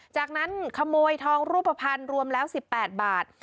จากนั้นขโมยทองรูปภัณฑ์รวมแล้ว๑๘บาท